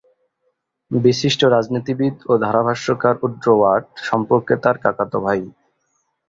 বিশিষ্ট রাজনীতিবিদ ও ধারাভাষ্যকার উড্রো ওয়াট সম্পর্কে তার কাকাতো ভাই।